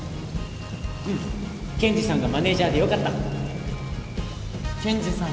うんケンジさんがマネージャーでよかったケンジさん